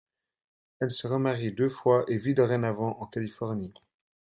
Elle se remarie deux fois et vit dorénavant en Californie.